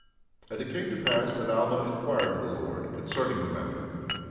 16:6 And it came to pass that Alma inquired of the Lord concerning the matter.